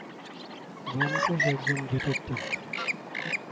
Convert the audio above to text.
ব্যোমকেশ একজন ডিটেকটিভ।